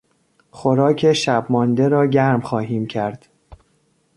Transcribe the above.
خوراک شب مانده را گرم خواهیم کرد.